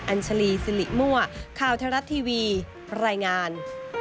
อัญชลีซิริมัวค่าวทะลัดทีวีรายงาน